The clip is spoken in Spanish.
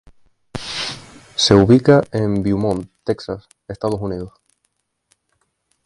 Se ubica en Beaumont, Texas, Estados Unidos.